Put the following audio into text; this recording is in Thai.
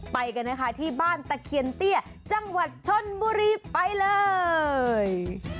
ไปกันนะคะที่บ้านตะเคียนเตี้ยจังหวัดชนบุรีไปเลย